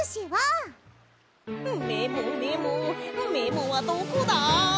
メモメモメモはどこだ？